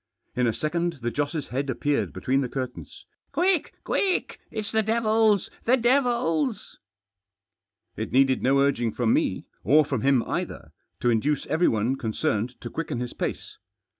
In a second the Joss' head appeared between the curtains. " Quick ! quick ! It's the devils— the devils !" It heeded no urging from me — or from him either — to induce everyone concerned to quicken his pace.